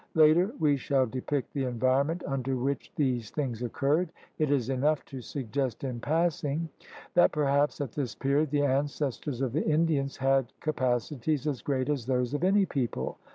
Later we shall depict the environ ment under which these things occurred; it is enough to suggest in passing that perhaps at this period the ancestors of the Indians had capacities as great as those of any people.